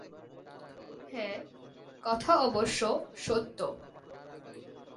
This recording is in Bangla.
হ্যাঁ, কথা অবশ্য সত্য।